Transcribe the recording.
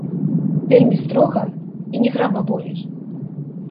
Вельмі строга і ні грама болей.